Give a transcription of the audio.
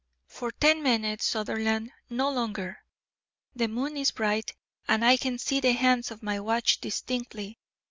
"For ten minutes, Sutherland; no longer! The moon is bright, and I can see the hands of my watch distinctly.